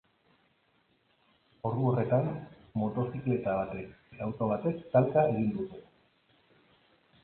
Ordu horretan, motozikleta batek eta auto batek talka egin dute.